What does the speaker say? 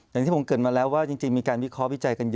อย่างที่ผมเกิดมาแล้วว่าจริงมีการวิเคราะห์วิจัยกันเยอะ